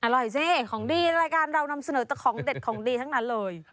สิของดีรายการเรานำเสนอแต่ของเด็ดของดีทั้งนั้นเลย